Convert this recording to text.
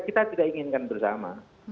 kita tidak inginkan bersama